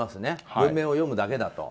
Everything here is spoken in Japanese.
文面を読むだけだと。